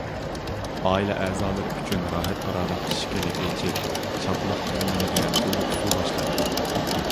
ئائىلە ئەزالىرى ئۈچۈن راھەت- پاراغەت ئىشىكىنى ئېچىپ شادلىق تۈگمىنىگە ئۇلۇغ سۇ باشلايدۇ.